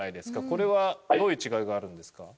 これはどういう違いがあるんですか？